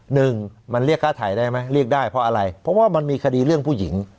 หนึ่งมันเรียกค่าถ่ายได้ไหมเรียกได้เพราะอะไรเพราะว่ามันมีคดีเรื่องผู้หญิง